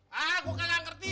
hah gue kaya gak ngerti